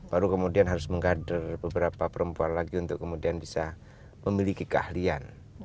baru kemudian harus menggader beberapa perempuan lagi untuk kemudian bisa memiliki keahlian